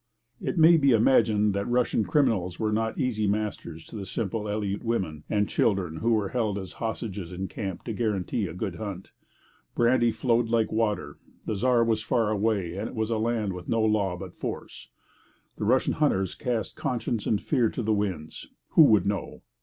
It may be imagined that Russian criminals were not easy masters to the simple Aleut women and children who were held as hostages in camp to guarantee a good hunt. Brandy flowed like water, the Czar was far away, and it was a land with no law but force. The Russian hunters cast conscience and fear to the winds. Who could know?